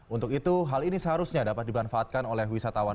untuk itu hal ini seharusnya dapat dimanfaatkan oleh wisatawan